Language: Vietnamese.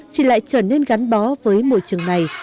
chị lại trở nên gắn bó với môi trường này